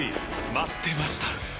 待ってました！